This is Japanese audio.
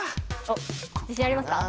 おっ自信ありますか？